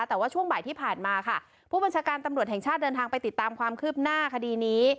แต่ว่าช่วงบ่ายที่ผ่านมาค่ะผู้บัญชาการตำรวจแห่งชาติเดินทางไปติดตามความคืบหน้าคดีนี้